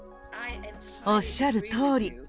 おっしゃるとおり。